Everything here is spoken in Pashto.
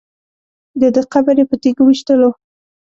دده قبر یې په تیږو ویشتلو.